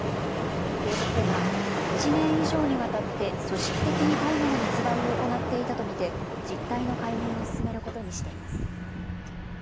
警察では１年以上にわたって組織的に大麻の密売を行っていたとみて実態の解明を進めることにしています。